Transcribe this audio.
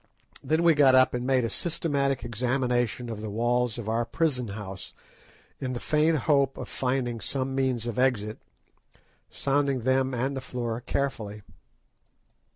Then we got up and made a systematic examination of the walls of our prison house, in the faint hope of finding some means of exit, sounding them and the floor carefully.